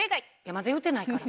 まだ言うてないから。